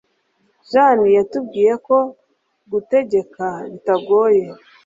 Jane yatubwiye ko guteka bitagoye.